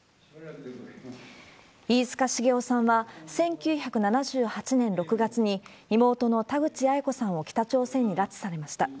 飯塚繁雄さんは１９７８年６月に妹の田口八重子さんを北朝鮮に拉致されました。